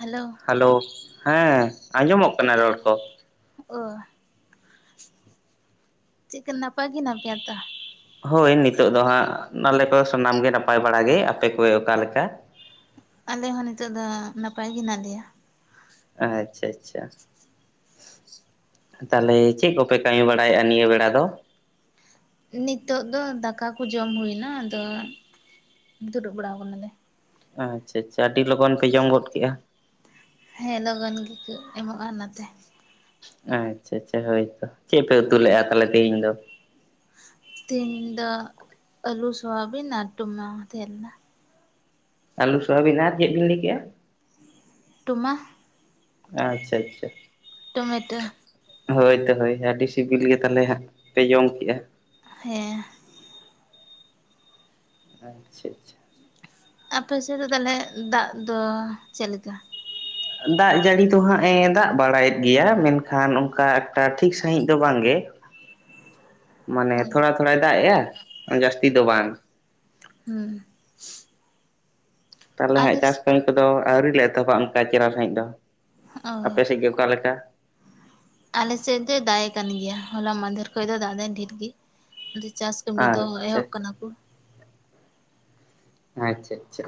Hello hello ᱦᱮᱸ ᱟᱸᱡᱚᱢᱚᱜ ᱠᱟᱱᱟ ᱨᱚᱲ ᱠᱚ ᱚᱻ ᱪᱮᱜ ᱠᱟ ᱱᱟᱯᱟᱭ ᱜᱮ ᱦᱮᱱᱟᱜ ᱯᱮᱭᱟ ᱛᱚ ᱦᱳᱭ ᱱᱤᱛᱚᱜ ᱫᱚ ᱦᱟᱸᱜ ᱱᱟᱞᱮ ᱠᱚ ᱥᱟᱱᱟᱢ ᱜᱮ ᱱᱟᱯᱟᱭ ᱵᱟᱲᱟ ᱜᱮ ᱟᱯᱮ ᱠᱚᱜᱮ ᱚᱠᱟ ᱞᱮᱠᱟ ᱟᱞᱮ ᱦᱚᱸ ᱱᱤᱛᱚᱜ ᱫᱚ ᱱᱟᱯᱟᱭ ᱜᱮ ᱦᱮᱱᱟᱜ ᱞᱮᱭᱟ ᱟᱪᱪᱷᱟ ᱟᱪᱪᱷᱟ ᱛᱟᱦᱚᱞᱮ ᱪᱮᱫ ᱠᱚᱯᱮ ᱠᱟᱹᱢᱤ ᱵᱟᱲᱟᱭᱮᱫᱼᱟ ᱱᱤᱭᱟᱹ ᱵᱮᱲᱟ ᱫᱚ? ᱱᱤᱛᱳᱜ ᱫᱚ ᱫᱟᱠᱟ ᱠᱚ ᱡᱚᱢ ᱦᱩᱭ ᱮᱱᱟ ᱟᱫᱚ ᱫᱩᱲᱩᱵ ᱵᱟᱲᱟ ᱟᱠᱟᱱᱟᱞᱮ ᱟᱪᱪᱷᱟ ᱟᱪᱪᱷᱟ ᱟᱹᱰᱤ ᱞᱚᱜᱚᱱ ᱯᱮ ᱡᱚᱢ ᱜᱚᱫ ᱠᱮᱫ-ᱟ᱾ ᱦᱮᱸ ᱞᱚᱜᱚᱱ ᱜᱮᱠᱚ ᱮᱢᱚᱜᱼᱟ, ᱚᱱᱟᱛᱮ ᱟᱪᱪᱷᱟᱻᱪᱷᱟ ᱦᱳᱭᱛᱚ ᱪᱮᱫ ᱯᱮ ᱩᱛᱩ ᱞᱮᱼᱟ, ᱛᱟᱦᱚᱞᱮ ᱛᱮᱦᱤᱧ ᱫᱚ ᱛᱤᱱ ᱫᱚ ᱟᱹᱞᱩ ᱥᱚᱣᱟᱵᱤᱱ ᱟᱨ [unintelligible] ᱛᱟᱦᱮ ᱞᱮᱱᱟ ᱟᱞᱩ ᱥᱚᱦᱟᱵᱤᱱ ᱟᱨ ᱪᱮᱫ ᱵᱤᱱ ᱞᱟᱹᱭ ᱠᱮᱜᱼᱟ ᱴᱳᱢᱟ ᱟᱪᱪᱷᱟ ᱟᱪᱪᱷᱟ ᱴᱳᱢᱮᱴᱳ ᱦᱳᱭ ᱛᱚ ᱦᱳᱭ ᱟᱹᱰᱤ ᱥᱤᱵᱤᱞ ᱜᱮ ᱛᱟᱦᱚᱞᱮ ᱦᱟᱸᱜ ᱯᱮ ᱡᱚᱢ ᱠᱮᱜᱼᱟ ᱦᱮᱸ ᱟᱪᱪᱷᱟ ᱟᱪᱪᱷᱟ ᱟᱯᱮ ᱥᱮᱫ ᱫᱚ ᱛᱟᱦᱚᱞᱮ ᱫᱟᱜ ᱫᱚ ᱪᱮᱫ ᱞᱮᱠᱟ ᱫᱟᱜ ᱡᱟᱹᱲᱤ ᱫᱚ ᱦᱟᱸᱜᱼᱮ ᱫᱟᱜ ᱵᱟᱲᱟᱭᱮᱫ ᱜᱮᱭᱟ ᱢᱮᱱᱠᱷᱟᱱ ᱚᱱᱠᱟ ᱮᱠᱴᱟ ᱴᱷᱤᱠ ᱥᱟᱺᱦᱤᱡ ᱫᱚ ᱵᱟᱝ ᱜᱮ [inaudible] ᱢᱟᱱᱮ ᱛᱷᱚᱲᱟ ᱛᱷᱚᱲᱟᱭ ᱫᱟᱜ ᱮᱜᱽᱻᱟ ᱡᱟᱹᱥᱛᱤ ᱫᱚ ᱵᱟᱝ ᱦᱩᱸ ᱛᱟᱦᱞᱮ ᱟᱞᱮ ᱦᱟᱸᱜ ᱪᱟᱥ ᱠᱟᱹᱢᱤ ᱠᱚᱫᱚ ᱟᱹᱣᱨᱤ ᱞᱮ ᱮᱛᱚᱦᱚᱵᱽᱼᱟ ᱚᱱᱠᱟ ᱪᱮᱨᱞᱟ ᱥᱟᱺᱦᱤᱡᱽ ᱫᱚ ᱚ ᱟᱯᱮ ᱥᱮᱫ ᱜᱮ ᱚᱠᱟ ᱞᱮᱠᱟ? ᱟᱞᱮᱥᱮᱫ ᱫᱚᱭ ᱫᱟᱜ ᱮᱫ ᱠᱟᱱ ᱜᱮᱭᱟ᱾ ᱦᱚᱞᱟ ᱢᱟᱫᱷᱮᱨ ᱠᱷᱚᱡ ᱫᱚ ᱫᱟᱜ ᱫᱚ ᱰᱷᱮᱨ ᱜᱮ ᱟᱰᱤ ᱪᱟᱥ ᱠᱟᱹᱢᱤ ᱫᱚ ᱮᱦᱚᱵᱽ ᱟᱪᱪᱷᱟ ᱠᱟᱱᱟ ᱠᱩ ᱟᱪᱪᱷᱟᱻᱪᱷᱟ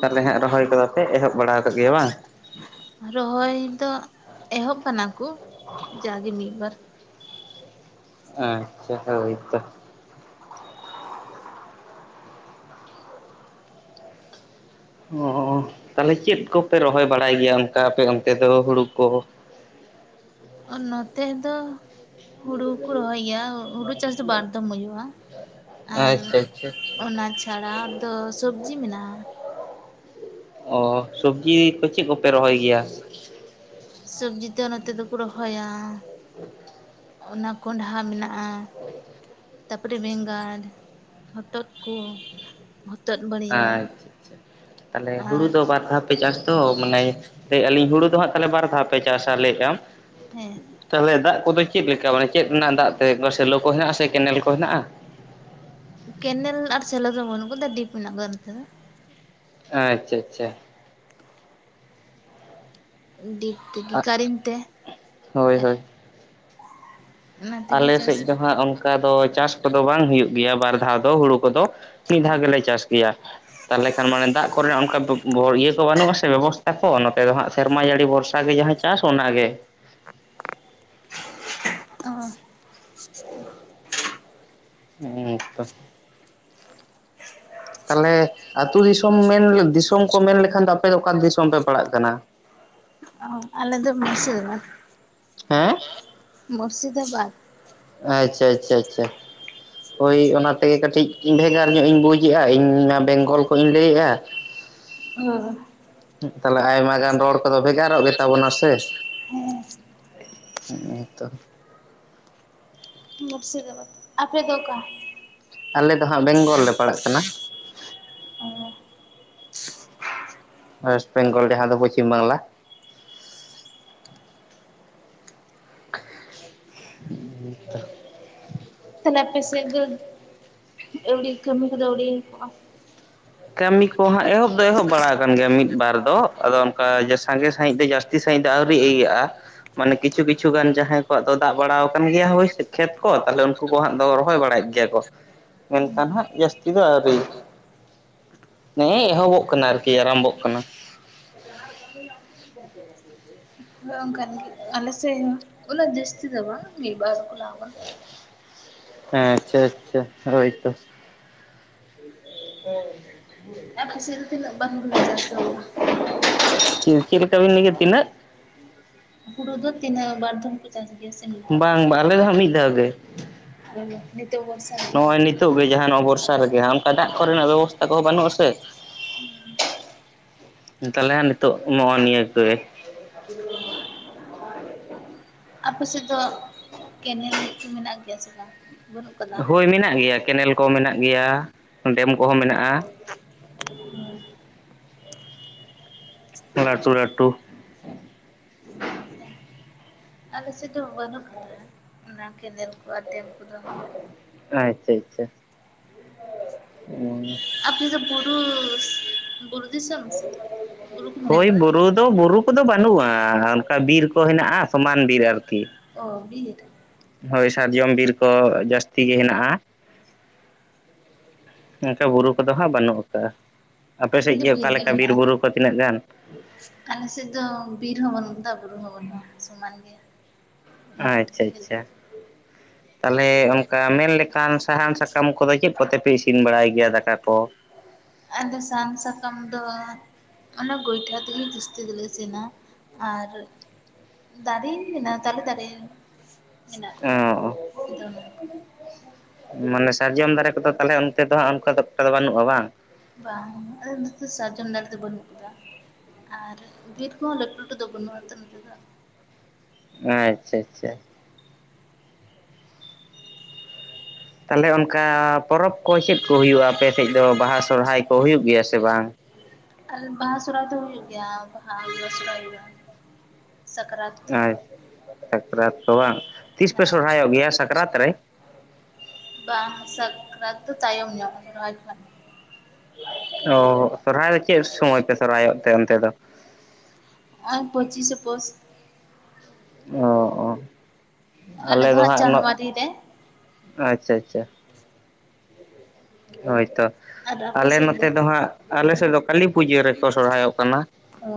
ᱛᱟᱦᱞᱮ ᱦᱟᱸᱜ ᱨᱚᱦᱚᱭ ᱠᱚᱫᱚ ᱯᱮ ᱮᱦᱚᱵᱽ ᱵᱟᱲᱟ ᱟᱠᱟᱫ ᱜᱮᱭᱟ ᱵᱟᱝ ᱨᱚᱦᱚᱭ ᱫᱚ ᱮᱦᱚᱵᱽ ᱠᱟᱱᱟ ᱠᱩ ᱡᱟᱜᱮ ᱢᱤᱫ ᱵᱟᱨ ᱟᱪᱪᱷᱟ ᱦᱳᱭ ᱛᱚ ᱚᱸ ᱛᱟᱦᱞᱮᱮ ᱪᱮᱫ ᱠᱚᱯᱮ ᱨᱚᱦᱚᱭ ᱵᱟᱲᱟᱭ ᱜᱮᱭᱟ ᱚᱱᱠᱟ ᱟᱯᱮ ᱚᱱᱛᱮ ᱫᱚ ᱦᱩᱲᱩ ᱠᱚ ᱚ ᱱᱚᱛᱮ ᱫᱚ ᱦᱩᱲᱩ ᱠᱚ ᱨᱚᱦᱚᱭ ᱜᱮᱭᱟ ᱦᱩᱲᱩ ᱪᱟᱥ ᱫᱚ ᱵᱟᱨᱫᱷᱚᱢ ᱦᱩᱭᱩᱜᱼᱟ ᱟᱨ ᱟᱪᱪᱷᱟ ᱟᱪᱪᱷᱟ ᱚᱱᱟ ᱪᱷᱟᱲᱟ ᱫᱚ ᱥᱚᱵᱡᱤ ᱢᱮᱱᱟᱜᱼᱟ᱾ ᱚ ᱥᱚᱵᱡᱤ ᱠᱚ ᱪᱮᱫ ᱠᱚ ᱥᱚᱵᱡᱤ ᱫᱚ ᱱᱚᱛᱮ ᱫᱚᱠᱚ ᱨᱚᱦᱚᱭᱟ ᱚᱱᱟ ᱠᱚᱸᱰᱷᱟ ᱢᱮᱱᱟᱜᱼᱟ ᱛᱟᱨᱯᱚᱨᱮ ᱵᱮᱸᱜᱟᱲ ᱦᱚᱛᱚᱫᱽ ᱠᱚ ᱦᱚᱛᱚᱫᱽ ᱵᱟᱲ ᱟᱪᱪᱷᱟ ᱟᱪᱪᱷᱟ ᱛᱟᱦᱚᱞᱮ ᱦᱩᱲᱩ ᱫᱚ ᱵᱟᱨ ᱫᱷᱟᱣ ᱯᱮ ᱪᱟᱥ ᱛᱚ ᱢᱟᱱᱮ ᱞᱟᱹᱭᱮᱫ ᱟᱞᱤᱧ ᱦᱩᱲᱩ ᱫᱚ ᱦᱟᱸᱜ ᱵᱟᱨ ᱫᱷᱟᱣ ᱯᱮ ᱪᱟᱥᱟ ᱞᱟᱹᱭᱼᱟᱢ ᱦᱮᱸ ᱛᱟᱦᱚᱞᱮ ᱫᱟᱜ ᱠᱚᱫᱚ ᱪᱮᱫ ᱞᱮᱠᱟ ᱢᱟᱱᱮ ᱪᱮᱫ ᱨᱮᱱᱟᱜ ᱫᱟᱜ ᱛᱮ ᱥᱮᱞᱳ ᱠᱚ ᱦᱮᱱᱟᱜ-ᱟ ᱥᱮ ᱠᱮᱱᱮᱞ ᱠᱚ ᱦᱮᱱᱟᱜ-ᱟ? ᱠᱮᱱᱮᱞ ᱟᱨ ᱥᱮᱞᱳ ᱫᱚ ᱵᱟᱹᱱᱩᱜ ᱟᱠᱟᱫᱟ ᱰᱤᱯ ᱢᱮᱱᱟᱜ ᱠᱟᱫᱟ ᱱᱚᱛᱮ ᱫᱚ᱾ ᱟᱪᱪᱷᱟ ᱟᱪᱪᱷᱟ, ᱰᱤᱜ ᱰᱤᱜᱤ ᱠᱟᱨᱮᱱ ᱛᱮ ᱦᱳᱭ ᱦᱳᱭ ᱚᱱᱟ ᱛᱮᱜᱮ ᱟᱞᱮ ᱪᱟᱥ ᱥᱮᱡᱽ ᱫᱚ ᱦᱟᱸᱜ ᱚᱝ ᱠᱟ ᱫᱚ ᱪᱟᱥ ᱠᱚᱫᱚ ᱵᱟᱝ ᱦᱩᱭᱩᱜ ᱜᱮᱭᱟ ᱵᱟᱨ ᱫᱷᱟᱣ ᱫᱚ ᱦᱩᱲᱩ ᱠᱚᱫᱚ ᱢᱤᱜ ᱫᱷᱟᱣ ᱜᱮᱞᱮ ᱪᱟᱥ ᱜᱮᱭᱟ᱾ ᱛᱟᱞᱦᱮ ᱠᱷᱟᱱ ᱢᱟᱱᱮ ᱫᱟᱜ ᱠᱚᱨᱮᱱᱟᱜ ᱚᱝᱠᱟ ᱵᱚᱯ ᱤᱭᱟᱹ ᱠᱚ ᱵᱟᱹᱱᱩᱜᱼᱟ ᱥᱮ ᱵᱮᱵᱚᱥᱛᱷᱟ ᱠᱚ ᱱᱚᱛᱮ ᱫᱚ ᱦᱟᱸᱜ ᱥᱮᱨᱢᱟ ᱡᱟᱹᱲᱤ ᱵᱷᱚᱨᱥᱟ ᱜᱮ ᱡᱟᱦᱟᱸ ᱪᱤ ᱪᱟᱥ ᱚᱱᱟᱜ ᱜᱮ ᱚᱸ ᱦᱮᱸ ᱛᱚ [inaudible] ᱛᱟᱞᱦᱮ ᱟᱹᱛᱩ ᱫᱤᱥᱚᱢ ᱢᱮᱱ ᱫᱤᱥᱚᱢ ᱠᱚ ᱢᱮᱱ ᱞᱮᱠᱷᱟᱱ ᱫᱚ ᱟᱯᱮ ᱫᱚ ᱚᱠᱟ ᱫᱤᱥᱚᱢ ᱯᱮ ᱯᱟᱲᱟᱜ ᱠᱟᱱᱟ? ᱚ ᱟᱞᱮ ᱫᱚ ᱢᱩᱥᱤᱫᱟᱵᱟᱫᱽ᱾ ᱦᱮᱸ ᱢᱩᱥᱤᱫᱟᱵᱟᱫᱽ ᱟ ᱪᱟ ᱪᱟ ᱟᱪᱪᱷᱟ ᱾ ᱦᱳᱭ ᱚᱱᱟ ᱛᱮᱜᱮ ᱠᱟᱹᱴᱤᱡ ᱵᱷᱮᱜᱟᱨ ᱧᱚᱜ ᱤᱧ ᱵᱩᱡᱽ ᱮᱜᱼᱟ ᱤᱧ ᱢᱟ ᱵᱮᱝᱜᱚᱞ ᱠᱷᱚᱡᱽ ᱤᱧ ᱞᱟᱹᱭ ᱮᱜᱼᱟ᱾ ᱚ ᱦᱩᱸ ᱛᱟᱞᱮ ᱟᱭᱢᱟ ᱜᱟᱱ ᱨᱚᱲ ᱠᱚᱫᱚ ᱵᱷᱮᱜᱟᱨᱚᱜ ᱜᱮ ᱛᱟᱵᱚᱱᱟ ᱥᱮ ᱛᱚ [inaudible] ᱢᱩᱥᱤᱫᱟᱵᱟᱫᱽ ᱟᱯᱮ ᱫᱚ ᱚᱠᱟ? ᱟᱞᱮ ᱫᱚ ᱦᱟᱸᱜ ᱵᱮᱝᱜᱚᱞ ᱞᱮ ᱯᱟᱲᱟᱜ ᱠᱟᱱᱟ᱾ [inaudible] ᱚᱸ ᱚᱭᱮᱥᱴ ᱵᱮᱝᱜᱚᱞ ᱡᱟᱦᱟᱸ ᱫᱚ ᱯᱚᱪᱷᱤᱢ ᱵᱟᱝᱞᱟ᱾ [unintelligible] ᱛᱟᱞᱦᱮ ᱟᱯᱮ ᱥᱮᱜ ᱫᱚ ᱟᱹᱣᱲᱤ ᱠᱟᱹᱢᱤ ᱠᱚᱫᱚ ᱟᱹᱣᱲᱤ ᱮᱦᱚᱰᱽᱜᱼᱟ᱾ ᱠᱟᱹᱢᱤ ᱠᱚ ᱦᱟᱸᱜ ᱮᱦᱚᱵᱽ ᱫᱚ ᱮᱦᱚᱵᱽ ᱵᱟᱲᱟ ᱟᱠᱟᱱ ᱜᱮᱭᱟ ᱢᱤᱫ ᱵᱟᱨ ᱫᱚ ᱟᱫᱚ ᱚᱱᱠᱟ ᱥᱟᱸᱜᱮ ᱥᱟᱺᱦᱤᱡᱽ ᱫᱚ ᱡᱟᱹᱥ ᱛᱤ ᱥᱟᱺᱦᱤᱡᱽ ᱫᱚ ᱟᱹᱣᱨᱤ ᱤᱭᱟᱹᱜᱼᱟ᱾ ᱢᱟᱱᱮ ᱠᱤᱪᱷᱩ ᱠᱤᱪᱷᱩ ᱜᱟᱱ ᱡᱟᱦᱟᱸᱭ ᱠᱚᱣᱟᱜ ᱫᱚ ᱫᱟᱜ ᱵᱟᱲᱟ ᱣᱟᱠᱟᱱ ᱜᱮᱭᱟ ᱦᱳᱭ ᱠᱷᱮᱛ ᱠᱚ ᱛᱟᱦᱞᱮ ᱩᱝ ᱩᱱᱠᱩ ᱠᱚ ᱦᱟᱸᱜ ᱫᱚ ᱨᱚᱦᱚᱭ ᱵᱟᱲᱟᱭᱮᱜ ᱜᱮᱭᱟ ᱠᱚ ᱢᱮᱱᱠᱷᱟᱱ ᱦᱟᱸᱜ ᱡᱟᱹᱥᱛᱤ ᱫᱚ ᱟᱹᱣᱨᱤ ᱱᱮᱸᱜ ᱮ ᱮᱦᱚᱵᱽᱚᱜ ᱠᱟᱱᱟ ᱟᱨᱠᱤ ᱟᱨᱟᱢᱵᱷᱚᱜ ᱠᱟᱱᱟ᱾ [unintelligible] [unintelligible] ᱟᱱᱠᱟᱱ ᱜᱤ ᱟᱞᱮᱥᱮᱜ ᱩᱱᱟᱹᱜ ᱡᱟᱹᱥᱛᱤ ᱫᱚ ᱵᱟᱝ ᱢᱤᱜ ᱵᱟᱨ ᱠᱚ ᱞᱟᱜᱟᱣ ᱦᱮᱸ ᱟᱪᱪᱷᱟ ᱟᱪᱪᱷᱟ ᱦᱳᱭ ᱛᱚ᱾ ᱟᱯᱮ ᱥᱮᱫ ᱫᱚ ᱛᱤᱱᱟᱹᱜ ᱵᱟᱨ ᱦᱩᱲᱩ ᱫᱚ ᱪᱟᱥ ᱫᱚ ᱦᱩᱭᱩᱜᱼᱟ [inaudible] ᱪᱮᱫ ᱞᱮᱠᱟ ᱵᱤᱱ ᱞᱟᱹᱭ ᱠᱮᱜᱼᱟ ᱛᱤᱱᱟᱜ? ᱦᱩᱲᱩ ᱫᱚ ᱛᱤᱱᱟᱹᱜ ᱵᱟᱨ ᱫᱷᱚᱢ ᱪᱟᱥ ᱜᱮ [unintelligible] ᱵᱟᱝ ᱵᱟ ᱟᱞᱮ ᱫᱚ ᱦᱟᱸᱜ ᱢᱤᱜ ᱫᱷᱟᱣ ᱜᱮ ᱟᱨ ᱱᱤᱛᱚᱜ ᱵᱚᱨᱥᱟ ᱨᱮᱜᱮ ᱱᱚᱜᱼᱚᱭ ᱱᱤᱛᱚᱜ ᱜᱮ ᱡᱟᱦᱟ ᱱᱚᱣᱟ ᱵᱚᱨᱥ ᱥᱟᱵ ᱨᱮᱜᱮ ᱚᱝᱠᱟ ᱫᱟᱜ ᱠᱚᱨᱮᱱᱟᱜ ᱵᱮᱵᱚᱥᱛᱷᱟ ᱠᱚᱦᱚᱸ ᱵᱟᱹᱱᱩᱜᱼᱟ ᱥᱮ᱾ ᱛᱟᱞᱦᱮ ᱱᱤᱛᱚᱜ ᱱᱚᱜᱼᱚᱭ ᱱᱤᱭᱟᱹ ᱜᱮ᱾ [inaudible] ᱟᱯᱮ ᱥᱮᱫ ᱫᱚ ᱠᱮᱱᱮᱞ ᱠᱚ ᱢᱮᱱᱟᱜ ᱜᱮᱭᱟ ᱥᱮ ᱵᱟᱝ? ᱵᱟᱹᱱᱩᱜ ᱠᱟᱫᱟ? ᱦᱳᱭ ᱢᱮᱱᱟᱜ ᱜᱮᱭᱟ ᱠᱮᱱᱮᱞ ᱠᱚ ᱢᱮᱱᱟᱜ ᱜᱮᱭᱟ ᱰᱮᱢ ᱠᱚᱦᱚᱸ ᱢᱮᱱᱟᱜᱼᱟ᱾ [inaudible] ᱞᱟᱹᱴᱩ ᱞᱟᱹᱴᱩ᱾ ᱟᱞᱮ ᱥᱮᱜ ᱫᱚ ᱵᱟᱹᱱᱩᱜ ᱠᱟᱫᱟ ᱚᱱᱟ ᱠᱮᱱᱮᱞ ᱠᱚ ᱟᱨ ᱰᱮᱢ ᱠᱚᱫᱚ ᱦᱟᱸᱜ᱾ ᱟᱪᱪᱷᱟ ᱪᱟ ᱩᱸ ᱟᱯᱮ ᱥᱮᱫ ᱵᱩᱨᱩᱻ ᱵᱩᱨᱩ ᱫᱤᱥᱚᱢ ᱥᱮ ᱵᱩᱨᱩ ᱠᱚ [unintelligible] ᱛᱚ ᱵᱩᱨᱩ ᱠᱚᱫᱚ ᱵᱟᱹᱱᱩᱜᱼᱟ ᱚᱱᱠᱟ ᱵᱤᱨ ᱠᱚ ᱦᱮᱱᱟᱜᱼᱟ ᱥᱚᱢᱟᱱ ᱵᱤᱨ ᱟᱨᱠᱤ᱾ ᱚ ᱵᱤᱨ ᱦᱳᱭ ᱥᱟᱨᱡᱚᱢ ᱵᱤᱨ ᱠᱚ ᱡᱟᱹᱥᱛᱤ ᱜᱮ ᱦᱮᱱᱟᱜᱼᱟ᱾ ᱚᱝᱠᱟ ᱵᱩᱨᱩ ᱠᱚᱫᱚ ᱦᱟᱸᱜ ᱵᱟᱹᱱᱩᱜ ᱠᱟᱜᱼᱟ ᱟᱯᱮ ᱥᱮᱜ ᱠᱷᱟᱹᱞᱤ ᱜᱮ ᱵᱤᱨ ᱚᱠᱟ ᱞᱮᱠᱟ ᱢᱮᱱᱟᱜᱼᱟ ᱵᱤᱨᱵᱩᱨᱩ ᱠᱚ ᱛᱤᱱᱟᱹᱜ ᱜᱟᱱ? ᱟᱞᱮ ᱥᱮᱜ ᱫᱚ ᱵᱤᱨ ᱦᱚᱸ ᱵᱟᱹᱱᱩᱜ ᱠᱟᱫᱟ ᱵᱩᱨᱩ ᱦᱚᱸ ᱵᱟᱹᱱᱩᱜᱼᱟ ᱥᱚᱢᱟᱱ ᱜᱮ᱾ ᱟᱪᱷᱟ ᱪᱟ [inaudible] ᱛᱟᱞᱦᱮ ᱚᱝᱠᱟ ᱢᱮᱱᱞᱠᱷᱟᱱ ᱥᱟᱦᱟᱱ ᱥᱟᱠᱟᱢ ᱠᱚᱫᱚ ᱪᱮᱜ ᱠᱚᱛᱮᱯᱮ ᱤᱥᱤᱱ ᱵᱟᱲᱟᱭ ᱜᱮᱭᱟ ᱫᱟᱠᱟ ᱠᱚ? ᱟᱫᱚ ᱥᱟᱱ ᱥᱟᱠᱟᱢ ᱫᱚ ᱚᱱᱟ ᱜᱚᱭᱴᱷᱟ ᱛᱮᱜᱮ ᱡᱟᱹᱥᱛᱤ ᱫᱚᱞᱮ ᱤᱥᱤᱱᱟ ᱟᱨ ᱫᱟᱨᱮ ᱢᱮᱱᱟᱜᱼᱟ ᱛᱟᱞᱮ ᱫᱟᱨᱮ᱾ ᱢᱮᱱᱟᱜ ᱟᱠᱟᱫᱟ ᱚ ᱟᱫᱚ ᱚᱱᱟ ᱠᱚ ᱢᱟᱱᱮ ᱥᱟᱨᱡᱚᱢ ᱫᱟᱨᱮ ᱠᱚᱫᱚ ᱛᱟᱞᱦᱮ ᱚᱱᱛᱮ ᱫᱚ ᱦᱟᱸᱜ ᱚᱱᱠᱟ ᱫᱚ ᱠᱷᱩᱵ ᱮᱠᱴᱟ ᱫᱚ ᱵᱟᱹᱱᱩᱜᱼᱟ ᱵᱟᱝ? ᱵᱟᱝ ᱟᱞᱮ ᱱᱚᱛᱮ ᱥᱟᱨᱡᱚᱢ ᱫᱟᱨᱮ ᱫᱚ ᱵᱟᱹᱱᱩᱜ ᱠᱟᱫᱟ᱾ ᱟᱨ ᱵᱤᱨ ᱠᱚᱦᱚᱸ ᱞᱟᱹᱴᱩ ᱞᱟᱹᱴᱩ ᱫᱚ ᱵᱟᱹᱱᱩᱜ ᱟᱛᱚ ᱱᱚᱛᱮ ᱫᱚ᱾ ᱟᱪᱷᱟ ᱟᱪᱷᱟ ᱛᱟᱞᱦᱮ ᱚᱱᱠᱟ ᱯᱚᱨᱚᱵᱽ ᱠᱚ ᱪᱮᱫ ᱠᱚ ᱦᱩᱭᱩᱜᱼᱟ ᱟᱯᱮᱥᱮᱜ ᱫᱚ ᱵᱟᱦᱟ ᱥᱚᱨᱦᱟᱭ ᱠᱚ ᱦᱩᱭᱩᱜ ᱜᱮᱭᱟ ᱥᱮ ᱵᱟᱝ? ᱟᱨ ᱵᱟᱦᱟ ᱥᱚᱨᱦᱟᱭ ᱫᱚ ᱦᱩᱭᱩᱜ ᱜᱮᱭᱟ ᱵᱟᱦᱟ [unintelligible] ᱥᱟᱠᱨᱟᱛ ᱟ ᱥᱟᱠᱨᱟᱛ ᱠᱚ ᱵᱟᱝ ᱛᱤᱥ ᱯᱮ ᱦᱮᱸ ᱥᱚᱨᱦᱟᱭᱚᱜ ᱜᱮᱭᱟ ᱥᱟᱠᱨᱟᱛ ᱨᱮ? ᱵᱟᱶ ᱥᱟᱠᱨᱟᱛ ᱫᱚ ᱛᱟᱭᱚᱢ ᱧᱚᱜ ᱥᱚᱨᱦᱟᱭ ᱚ ᱥᱚᱨᱦᱟᱭ ᱫᱚ ᱪᱮᱜ ᱥᱚᱢᱚᱭ ᱯᱮ ᱥᱚᱨᱦᱟᱭᱚᱜ ᱛᱮ ᱚᱱᱛᱮ ᱫᱚ? ᱦᱚᱸᱜᱼᱚᱭ ᱯᱚᱪᱤᱥᱮ ᱯᱳᱥ᱾ ᱚ ᱚ ᱟᱞᱮ ᱫᱚ ᱦᱟᱸᱜ ᱩᱱᱟᱹᱜ ᱟᱪᱷᱟ ᱪᱟ ᱦᱳᱭᱛᱚ ᱟᱨ ᱟᱯᱮ ᱟᱞᱮ ᱥᱮᱫ ᱱᱚᱛᱮ ᱫᱚ ᱦᱟᱸᱜ ᱟᱞᱮ ᱥᱮᱜ ᱫᱚ ᱠᱟᱹᱞᱤ ᱯᱩᱡᱟᱹ ᱨᱮᱠᱚ ᱥᱚᱨᱦᱟᱭᱚᱜ ᱠᱟᱱᱟ᱾ ᱚ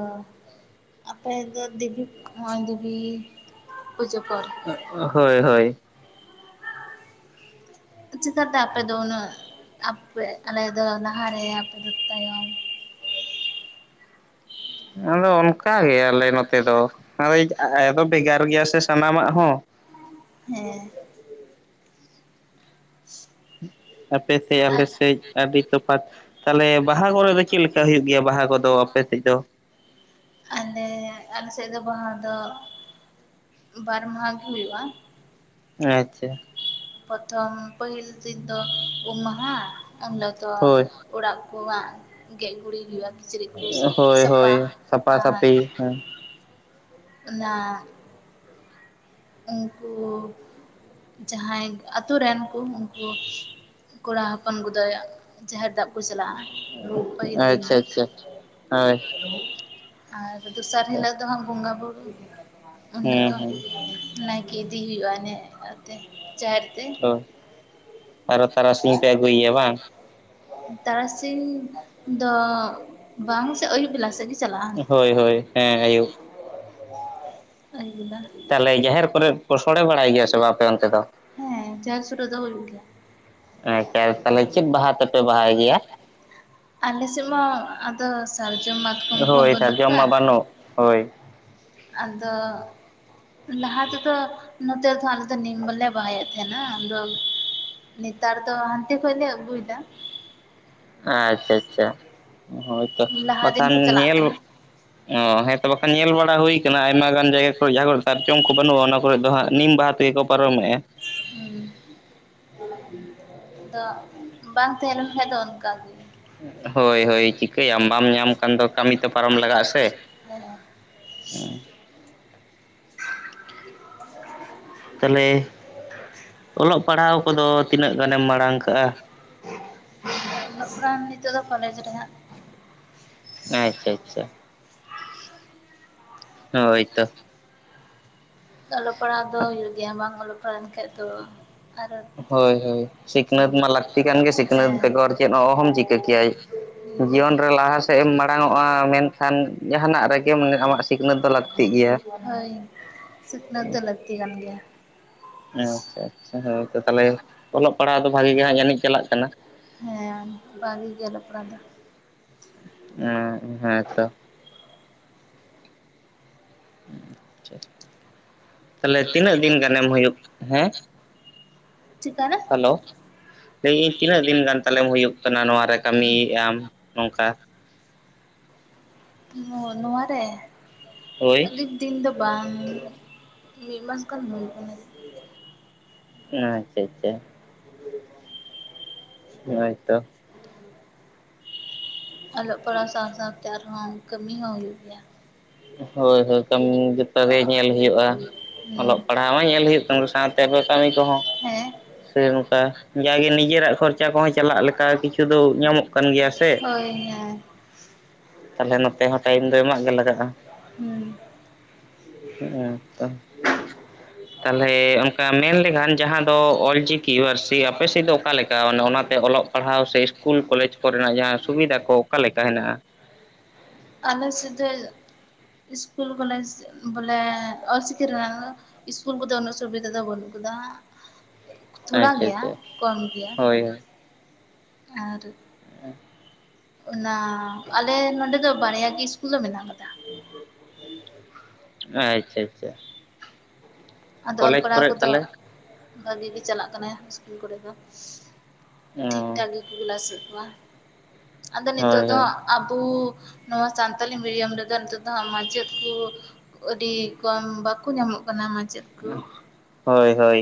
ᱟᱯᱮ ᱫᱚ ᱫᱮᱵᱤ [unintelligible] ᱫᱮᱵᱤ ᱯᱩᱡᱟᱹ ᱯᱚᱨ ᱚᱜ ᱚᱜ ᱦᱳᱭ ᱦᱳᱭ ᱪᱤᱠᱟ. ᱛᱮ ᱟᱯᱮ ᱫᱚ ᱩᱱᱟᱹᱜ ᱟᱯᱮ ᱟᱞᱮ ᱫᱚ ᱞᱟᱦᱟᱨᱮ ᱟᱯᱮ ᱫᱚ ᱛᱟᱭᱚᱢ? ᱟᱫᱚ ᱚᱱᱠᱟ ᱜᱮ ᱟᱞᱮ ᱱᱚᱛᱮ ᱫᱚ᱾ ᱦᱳᱭ ᱟ ᱟᱫᱚ ᱵᱷᱮᱜᱟᱨ ᱜᱮᱭᱟ ᱥᱮ ᱥᱟᱱᱟᱢᱟᱜ ᱦᱚᱸ᱾ ᱦᱮᱸ ᱟᱯᱮ ᱥᱮᱜ ᱟᱞᱮ ᱟᱨ ᱥᱮᱜ᱾ ᱟᱹᱰᱤ ᱛᱚᱯᱷᱟᱛ ᱛᱟᱞᱦᱮ ᱵᱟᱦᱟ ᱠᱚᱨᱮ ᱫᱚ ᱪᱮᱜ ᱞᱮᱠᱟ ᱦᱩᱭᱩᱜ ᱜᱮᱭᱟ ᱵᱟᱦᱟ ᱠᱚᱫᱚ ᱟᱯᱮ ᱥᱮᱜ ᱫᱚ? ᱟᱞᱮ ᱟᱞᱮᱥᱮᱜ ᱫᱚ ᱵᱟᱦᱟ ᱫᱚ ᱵᱟᱨ ᱢᱟᱦᱟ ᱜᱮ ᱦᱩᱭᱩᱜᱼᱟ᱾ ᱟᱪᱷᱟ᱾ ᱯᱚᱨᱛᱷᱚᱢ ᱯᱟᱹᱦᱤᱞ ᱫᱤᱱ ᱫᱚ ᱩᱢ ᱢᱟᱦᱟ ᱩᱱ ᱦᱤᱞᱳᱜ ᱫᱚ ᱦᱳᱭ ᱚᱲᱟᱜ ᱠᱚᱣᱟᱜ ᱜᱮᱡ ᱜᱩᱤᱜ ᱦᱩᱭᱩᱜᱼᱟ᱾ ᱠᱤᱪᱨᱤᱡ ᱠᱩ ᱦᱳᱭ ᱥᱟᱯᱟ ᱦᱳᱭ ᱥᱟᱯᱷᱟ ᱟᱨ ᱥᱟᱹᱯᱷᱤ ᱦᱮᱸ ᱚᱱᱟ ᱩᱝᱠᱩ ᱡᱟᱦᱟᱸᱭ ᱟᱛᱳ ᱨᱮᱱ ᱠᱩ ᱩᱝᱠᱩ ᱠᱚᱲᱟ ᱦᱚᱯᱚᱱ ᱠᱚᱫᱚ ᱡᱟᱦᱮᱨ ᱫᱟᱵ ᱠᱚ ᱪᱟᱞᱟᱜᱼᱟ᱾ ᱯᱟᱹᱦᱤᱞ ᱫᱤᱱ ᱫᱚ ᱟᱪᱪᱷᱟ ᱟᱪᱪᱷᱟ ᱦᱳᱭ ᱟᱨ ᱫᱚᱥᱟᱨ ᱦᱤᱞᱟᱹᱜ ᱫᱚ ᱦᱟᱸᱜ ᱵᱚᱸᱜᱟ ᱵᱩᱨᱩ ᱩᱱ ᱦᱤᱞᱚᱜ ᱦᱮᱸ ᱫᱚ ᱦᱮᱸ ᱱᱟᱭᱠᱮ ᱤᱫᱤ ᱦᱩᱭᱩᱜᱼᱟ ᱱᱮᱜ ᱚᱛᱮ ᱪᱟᱨ ᱚ ᱟᱨᱚ ᱛᱟᱨᱟᱥᱤᱧ ᱯᱮ ᱟᱹᱜᱩᱭ ᱭᱟ ᱵᱟᱝ? ᱛᱟᱨᱟᱥᱤᱧ ᱫᱚ ᱵᱟᱝ ᱥᱮ ᱟᱹᱭᱩᱵ ᱵᱮᱞᱟ ᱥᱮᱜ ᱜᱤ ᱦᱳᱭ ᱦᱳᱭ ᱦᱮᱸ ᱟᱹᱭᱩᱵ᱾ ᱟᱹᱭᱩᱵ ᱵᱮᱞᱟ᱾ ᱛᱟᱦᱞᱮ ᱡᱟᱦᱮᱨ ᱠᱚᱨᱮ ᱯᱮ ᱥᱚᱲᱮ ᱵᱟᱲᱟᱭ ᱜᱮᱭᱟ ᱥᱮ ᱵᱟ ᱟᱯᱮ ᱚᱱᱛᱮ ᱫᱚ? ᱦᱮᱸ ᱪᱟᱥ ᱨᱚᱫᱚ ᱦᱩᱭᱩᱜ ᱜᱮᱭᱟ᱾ ᱮᱸ ᱟᱪᱟ ᱛᱟᱞᱦᱮ ᱪᱮᱫ ᱵᱟᱦᱟ ᱛᱮᱯᱮ ᱵᱟᱦᱟᱭ ᱜᱮᱭᱟ? ᱟᱞᱮ ᱥᱮᱜ ᱢᱟ ᱟᱫᱚ ᱥᱟᱨᱡᱚᱢ ᱢᱟ ᱦᱳᱭ ᱥᱟᱨᱡᱚᱢ ᱢᱟ ᱵᱟᱱᱩᱜ ᱦᱳᱭ᱾ ᱟᱫᱚ ᱞᱟᱦᱟ ᱛᱮᱫᱚ ᱱᱚᱛᱮ ᱫᱚ ᱦᱟᱸᱜ ᱟᱞᱮ ᱫᱚ ᱱᱤᱢ ᱵᱚᱞᱮ ᱵᱟᱦᱟᱭᱮᱜ ᱛᱟᱦᱮᱸᱱᱟ ᱟᱫᱚ ᱱᱮᱛᱟᱨ ᱫᱚ ᱦᱟᱱᱛᱮ ᱠᱷᱚᱡ ᱞᱮ ᱟᱹᱜᱩᱭ ᱫᱟ᱾ ᱟᱪᱷᱟ ᱪᱷᱟ ᱦᱳᱭᱛᱚ ᱞᱟᱦᱟ ᱫᱤᱱ ᱵᱟᱠᱷᱟᱱ ᱠᱚ ᱪᱟᱞᱟᱜ ᱧᱮᱞ ᱠᱟᱱᱟ ᱚ ᱦᱮᱸᱛᱚ ᱵᱟᱠ ᱧᱮᱞ ᱵᱟᱲᱟ ᱦᱩᱭ ᱠᱟᱱᱟ ᱟᱭᱢᱟ ᱜᱟᱱ ᱡᱟᱭᱜᱟ ᱠᱚᱨᱮ ᱡᱟᱦᱟᱸ ᱠᱚᱨᱮ ᱥᱟᱨᱡᱚᱢ ᱠᱚ ᱵᱟᱹᱱᱩᱜᱼᱟ᱾ ᱚᱱᱟ ᱠᱚᱨᱮ ᱫᱚ ᱦᱟᱸᱜ ᱱᱤᱢ ᱵᱟᱦᱟ ᱛᱮᱜᱮ ᱠᱚ ᱯᱟᱨᱚᱢᱮᱜᱼᱟ᱾ ᱦᱩᱸ [inaudible] ᱟᱫᱚ ᱵᱟᱝ ᱛᱟᱦᱮᱸ ᱞᱮᱱ ᱠᱷᱟᱱ ᱫᱚ ᱚᱱᱠᱟᱜᱮ᱾ ᱦᱳᱭ ᱦᱳᱭ ᱪᱤᱠᱟᱹᱭᱟᱢ ᱵᱟᱢ ᱧᱟᱢ ᱠᱷᱟᱱ ᱫᱚ ᱠᱟᱹᱢᱤ ᱛᱚ ᱯᱟᱨᱚᱢ ᱞᱟᱜᱟᱜ-ᱟ ᱥᱮ᱾ ᱦᱮᱸ ᱦᱮᱸ᱾ ᱛᱟᱦᱚᱞᱮ ᱚᱞᱚᱜ ᱯᱟᱲᱦᱟᱣ ᱠᱚᱫᱚ ᱛᱤᱱᱟᱹᱜ ᱜᱟᱱᱮᱢ ᱢᱟᱲᱟᱝ ᱠᱟᱜ-ᱟ? [unintelligible] ᱱᱤᱛᱚᱜ ᱫᱚ ᱠᱚᱞᱮᱡᱽ ᱨᱮ ᱦᱟᱸᱜ᱾ ᱟᱪᱪᱷᱟ ᱟᱪᱪᱷᱟ᱾ ᱦᱳᱭ ᱛᱚ᱾ ᱚᱞᱚᱜ ᱯᱟᱲᱦᱟᱣ ᱫᱚ ᱦᱩᱭᱩᱜ ᱜᱮᱭᱟ ᱵᱟᱝ ᱚᱞᱚᱜ ᱯᱟᱲᱦᱟᱣ ᱞᱮᱱᱠᱷᱟᱡ ᱫᱚ ᱟᱨᱚ ᱦᱳᱭ ᱦᱳᱭ ᱥᱤᱠᱷᱱᱟᱹᱛ ᱢᱟ ᱞᱟᱹᱠᱛᱤ ᱠᱟᱱ ᱜᱮ ᱥᱤᱠᱷᱱᱟᱹᱛ ᱦᱮᱸ ᱵᱮᱜᱟᱨ ᱪᱮᱫ ᱦᱚᱸ ᱚᱦᱚᱢ ᱪᱤᱠᱟᱹ ᱠᱮᱭᱟᱭ᱾ ᱦᱩᱸ ᱡᱤᱭᱚᱱ ᱨᱮ ᱞᱟᱦᱟ ᱥᱮᱫ ᱮᱢ ᱢᱟᱲᱟᱝ ᱚᱜ-ᱟ ᱢᱮᱱᱠᱷᱟᱱ ᱡᱟᱦᱟᱱᱟᱜ ᱨᱮᱜᱮᱢ ᱟᱢᱟᱜ ᱥᱤᱠᱷᱱᱟᱹᱛ ᱫᱚ ᱞᱟᱹᱠᱛᱤᱜ ᱜᱮᱭᱟ᱾ [inaudible] ᱦᱳᱭ ᱥᱤᱠᱷᱱᱟᱹᱛ ᱫᱚ ᱞᱟᱹᱠᱛᱤ ᱠᱟᱱ ᱜᱮᱭᱟ᱾ ᱟᱪᱪᱷᱟ ᱟᱪᱪᱷᱟ ᱦᱳᱭ ᱛᱚ ᱛᱟᱦᱚᱞᱮ ᱚᱞᱚᱜ ᱯᱟᱲᱦᱟᱜ ᱫᱚ ᱵᱷᱟᱜᱤ ᱜᱮ ᱦᱟᱸᱜ ᱡᱟᱱᱤᱡ ᱪᱟᱞᱟᱜ ᱠᱟᱱᱟ? ᱦᱮᱸ ᱵᱷᱟᱜᱤ ᱜᱮ ᱚᱞᱚᱜ ᱯᱟᱲᱦᱟᱣ ᱫᱚ᱾ ᱚ ᱦᱮᱸ ᱛᱚ᱾ ᱟᱪᱪᱷᱟ ᱛᱟᱦᱞᱮ ᱛᱤᱱᱟᱹᱜ ᱫᱤᱱ ᱜᱟᱱᱮᱢ ᱦᱩᱭᱩᱜ ᱦᱮᱸ? ᱪᱤᱠᱟᱨᱮ? ᱦᱮᱞᱳ ᱞᱟᱹᱭᱟᱹᱧ ᱛᱤᱱᱟᱹᱜ ᱫᱤᱱ ᱜᱟᱱ ᱛᱟᱞᱮᱢ ᱦᱩᱭᱩᱜ ᱠᱟᱱᱟ ᱱᱚᱣᱟ ᱨᱮ ᱠᱟᱹᱢᱤᱭᱮᱫ ᱟᱢ ᱱᱚᱝᱠᱟ? ᱦᱳᱭ ᱱᱚᱣᱟ ᱨᱮ ᱦᱳᱭ ᱟᱞᱤᱧ ᱫᱤᱱ ᱫᱚ ᱵᱟᱝ, ᱢᱤᱫ ᱢᱟᱥ ᱜᱟᱱ ᱦᱩᱭᱩᱜ ᱠᱟᱱᱟ᱾ ᱟᱪᱪᱷᱟ ᱪᱷᱟ ᱦᱳᱭ ᱛᱚ᱾ ᱚᱞᱚᱜ ᱯᱟᱲᱦᱟᱣ ᱥᱟᱶ ᱥᱟᱶᱛᱮ ᱟᱨᱦᱚᱸ ᱠᱟᱹᱢᱤ ᱦᱚᱸ ᱦᱩᱭᱩᱜ ᱜᱮᱭᱟ᱾ ᱦᱳᱭ ᱦᱳᱭ ᱠᱟᱹᱢᱤ ᱡᱷᱚᱛᱚ ᱜᱮ ᱧᱮᱞ ᱦᱩᱭᱩᱜ-ᱟ᱾ ᱦᱩᱸ ᱚᱞᱚᱜ ᱯᱟᱲᱦᱟᱣ ᱦᱚᱸ ᱧᱮᱞ ᱦᱩᱭᱩᱜ ᱠᱟᱱ ᱥᱟᱶᱛᱮ ᱟᱵᱚ ᱠᱟᱹᱢᱤ ᱠᱚᱦᱚᱸ ᱦᱮᱸ ᱥᱮ ᱱᱚᱝᱠᱟ, ᱡᱟᱜᱮ ᱱᱤᱡᱮᱨᱟᱜ ᱠᱷᱚᱨᱪᱟ ᱠᱚᱦᱚᱸ ᱪᱟᱞᱟᱜ ᱞᱮᱠᱟ ᱠᱤᱪᱷᱩ ᱫᱚ ᱧᱟᱢᱚᱜ ᱠᱟᱱ ᱜᱮᱭᱟ ᱥᱮ, ᱦᱳᱭ ᱦᱮᱸ ᱛᱟᱦᱞᱮ ᱱᱚᱛᱮ ᱦᱚᱸ ᱴᱟᱭᱤᱢ ᱫᱚ ᱮᱢᱟᱜ ᱜᱮ ᱞᱟᱜᱟᱜ-ᱟ᱾ ᱦᱩᱸ᱾ ᱦᱮᱸ ᱛᱚ᱾ ᱛᱟᱦᱚᱞᱮ ᱚᱱᱠᱟ ᱢᱮᱱ ᱞᱮᱠᱷᱟᱱ ᱡᱟᱦᱟᱸ ᱫᱚ ᱚᱞᱪᱤ ᱠᱤᱭᱩᱟᱨᱥᱤ ᱟᱯᱮ ᱥᱮᱫ ᱫᱚ ᱚᱠᱟᱞᱮᱠᱟ ᱚᱱᱟᱛᱮ ᱚᱞᱚᱜ ᱯᱟᱲᱦᱟᱣ ᱥᱮ ᱤᱥᱠᱩᱞ ᱠᱚᱞᱮᱡᱽ ᱠᱚᱨᱮᱱᱟᱜ ᱡᱟᱦᱟᱸ ᱥᱩᱵᱤᱫᱷᱟ ᱠᱚ? ᱚᱠᱟ ᱞᱮᱠᱟ ᱦᱮᱱᱟᱜ-ᱟ? ᱟᱞᱮ ᱥᱮᱫ ᱫᱚ ᱥᱠᱩᱞ ᱠᱚᱞᱮᱡᱽ ᱵᱚᱞᱮ ᱚᱞ ᱪᱤᱠᱤ ᱨᱮᱱᱟᱜ ᱫᱚ ᱤᱥᱠᱩᱞ ᱠᱚᱫᱚ ᱩᱱᱟᱹᱜ ᱥᱩᱵᱤᱫᱷᱟ ᱫᱚ ᱵᱟᱹᱱᱩᱜ ᱠᱟᱫᱟ ᱛᱷᱚᱲᱟ ᱟᱪᱪᱷᱟ ᱜᱮᱭᱟ ᱟᱪᱪᱷᱟ ᱠᱚᱢ ᱜᱮᱭᱟ ᱦᱳᱭ ᱟᱨ [inaudible] ᱟᱨ ᱚᱱᱟ ᱟᱞᱮ ᱱᱚᱰᱮ ᱫᱚ ᱵᱟᱨᱭᱟ ᱜᱮ ᱤᱥᱠᱩᱞ ᱫᱚ ᱢᱮᱱᱟᱜ ᱟᱠᱟᱫᱟ ᱟᱪᱪᱷᱟ ᱟᱪᱪᱷᱟ ᱟᱫᱚ ᱚᱞ ᱠᱚᱞᱮᱡᱽ ᱯᱟᱲᱦᱟᱣ ᱠᱚᱨᱮ ᱠᱚᱫᱚ ᱛᱟᱦᱚᱞᱮ ᱵᱷᱟᱜᱮ ᱜᱮ ᱪᱟᱞᱟᱜ ᱠᱟᱱᱟ ᱤᱥᱠᱩᱞ ᱠᱚᱨᱮ ᱫᱚ ᱚ ᱴᱷᱤᱠ-ᱴᱷᱟᱠ ᱜᱮᱠᱚ ᱠᱞᱟᱥ ᱮᱫ ᱠᱚᱣᱟ ᱟᱫᱚ ᱦᱳᱭ ᱱᱤᱛᱳᱜ ᱫᱚ ᱦᱳᱭ ᱟᱵᱚ ᱱᱚᱣᱟ ᱥᱟᱱᱛᱟᱞᱤ ᱢᱤᱰᱤᱭᱟᱢ ᱨᱮᱫᱚ ᱱᱤᱛᱚᱜ ᱫᱚ ᱦᱟᱸᱜ ᱢᱟᱪᱮᱫ ᱠᱚ [inaudible] ᱟᱹᱰᱤ ᱠᱚᱢ ᱵᱟᱠᱚ ᱧᱟᱢᱚᱜ ᱠᱟᱱᱟ ᱢᱟᱪᱮᱫ ᱠᱚ ᱦᱳᱭ ᱦᱳᱭ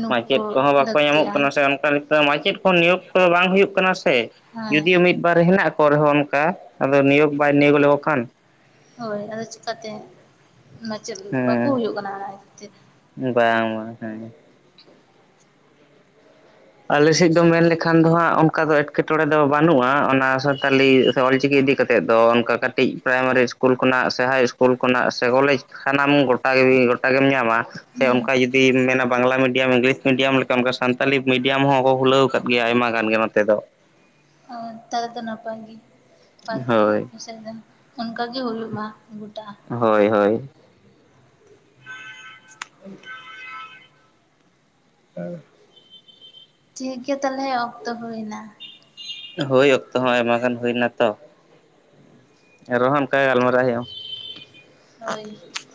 ᱱᱩᱠᱩ ᱢᱟᱪᱮᱫ ᱠᱚᱦᱚᱸ ᱵᱟᱠᱚ ᱧᱟᱢᱚᱜ ᱞᱟᱹᱠᱛᱤᱜᱼᱟ ᱠᱟᱱᱟ ᱥᱮ ᱚᱱᱠᱟ ᱞᱮᱠᱟ ᱢᱟᱪᱮᱫ ᱠᱚ ᱱᱤᱭᱳᱜ ᱠᱚ ᱵᱟᱝ ᱦᱩᱭᱩᱜ ᱠᱟᱱᱟ ᱥᱮ ᱦᱳᱭ ᱡᱩᱫᱤᱭᱳ ᱢᱤᱫ ᱵᱟᱨ ᱦᱮᱱᱟᱜ ᱠᱚ ᱨᱮᱦᱚᱸ ᱚᱱᱠᱟ ᱟᱫᱚ ᱱᱤᱭᱳᱜ ᱵᱟᱭ ᱱᱤᱭᱳᱜ ᱞᱮᱠᱚ ᱠᱷᱟᱱ ᱦᱳᱭ ᱟᱫᱚ ᱪᱤᱠᱟᱛᱮ ᱢᱟᱪᱮᱫ ᱵᱟᱠᱚ ᱦᱮᱸ ᱦᱩᱭᱩᱜ ᱠᱟᱱᱟ ᱵᱟᱝ ᱵᱟᱝ ᱦᱮᱸ ᱟᱞᱮ ᱥᱮᱫ ᱫᱚ ᱢᱮᱱ ᱞᱮᱠᱷᱟᱱ ᱫᱚ ᱦᱟᱸᱜ ᱚᱱᱠᱟ ᱫᱚ ᱮᱴ ᱮᱴᱠᱮᱸᱴᱚᱬᱮ ᱫᱚ ᱵᱟᱹᱱᱩᱜᱼᱟ ᱚᱱᱟ ᱥᱟᱱᱛᱟᱞᱤ ᱥᱮ ᱚᱞᱪᱤᱠᱤ ᱤᱫᱤ ᱠᱟᱛᱮᱫ ᱫᱚ ᱚᱱᱠᱟ ᱠᱟᱹᱴᱤᱡ ᱯᱨᱟᱭᱢᱟᱨᱤ ᱤᱥ ᱠᱩᱞ ᱠᱷᱚᱱᱟᱜ ᱥᱮ ᱦᱟᱭ ᱤᱥᱠᱩᱞ ᱠᱷᱚᱱᱟᱜ ᱥᱮ ᱠᱚᱞᱮᱡᱽ ᱥᱟᱱᱟᱢ ᱜᱚ [inaudible] ᱜᱚᱴᱟ ᱜᱮᱢ ᱧᱟᱢᱟ ᱥᱮ ᱦᱩᱸ ᱚᱱᱠᱟ ᱡᱩᱫᱤᱢ ᱢᱮᱱᱟ ᱵᱟᱝᱞᱟ ᱢᱤᱰᱤᱭᱟᱢ, ᱤᱝᱞᱤᱥ ᱢᱤᱰᱤᱭᱟᱢ ᱞᱮᱠᱟ ᱚᱱᱠᱟ ᱥᱟᱱᱛᱟᱞᱤ ᱢᱤᱰᱤᱭᱟᱢ ᱦᱚᱸ ᱠᱚ ᱠᱷᱩᱞᱟᱹᱣ ᱟᱠᱟᱫ ᱜᱮᱭᱟ ᱟᱭᱢᱟ ᱜᱟᱱ ᱜᱮ ᱱᱚᱛᱮ ᱫᱚ᱾ ᱟᱸ ᱛᱟᱭ ᱫᱚ ᱱᱟᱯᱟᱭ ᱜᱤ ᱯᱟᱪ ᱢᱤᱜ ᱦᱳᱭ ᱵᱤᱥᱚᱭ ᱨᱮᱱ ᱚᱱᱠᱟ ᱜᱤ ᱦᱩᱭᱩᱜ ᱢᱟ ᱜᱩᱴᱟ᱾ ᱦᱳᱭ ᱦᱳᱭ ᱾ [inaudible] ᱟᱭ ᱴᱷᱤᱠ ᱜᱮᱭᱟ ᱛᱟᱦᱚᱞᱮ ᱚᱠᱛᱚ ᱦᱩᱭᱮᱱᱟ᱾ ᱦᱳᱭ ᱚᱠᱛᱚ ᱦᱚᱸ ᱟᱭᱢᱟ ᱜᱟᱱ ᱦᱩᱭᱱᱟ ᱛᱚ᱾ ᱮᱱᱨᱮᱦᱚ ᱚᱱᱠᱟ ᱜᱟᱞᱢᱟᱨᱟᱶ ᱦᱩᱭᱩᱜ -ᱟ᱾ ᱦᱳᱭ᱾ [unintelligible]